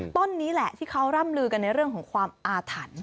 ต้นนี้แหละที่เขาร่ำลือกันในเรื่องของความอาถรรพ์